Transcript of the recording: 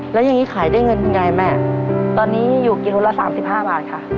แล้วอย่างนี้ขายได้เงินยังไงแม่ตอนนี้อยู่กิโลละสามสิบห้าบาทค่ะ